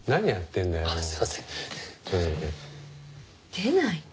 出ないね。